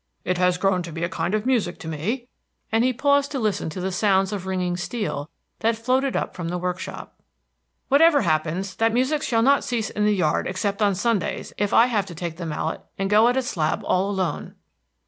"It has grown to be a kind of music to me," and he paused to listen to the sounds of ringing steel that floated up from the workshop. "Whatever happens, that music shall not cease in the yard except on Sundays, if I have to take the mallet and go at a slab all alone."